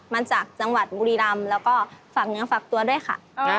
มาจากจังหวัดบุรีรำแล้วก็ฝากเนื้อฝากตัวด้วยค่ะ